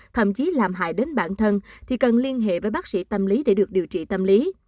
thậm chí làm hại đến bản thân thì cần liên hệ với bác sĩ tâm lý để được điều trị tâm lý